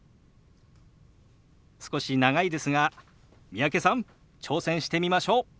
少し長いですが三宅さん挑戦してみましょう。